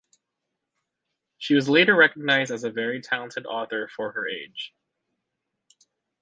She was later recognized as a very talented author for her age.